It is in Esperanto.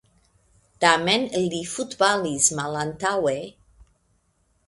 Tamen li futbalis malantaŭe.